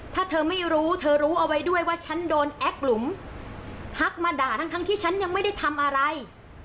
ถ้าเธอไม่รู้เธอรู้เอาไว้ด้วยว่าฉันโดนแอ๊กหลุมทักมาด่าทั้งที่ฉันยังไม่ได้ทำอะไร